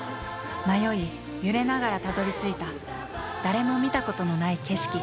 迷い揺れながらたどりついた誰も見たことのない景色。